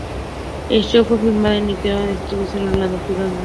El show fue filmado en Nickelodeon Studios en Orlando, Florida.